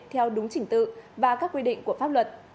theo đúng chỉnh tự và các quy định của pháp luật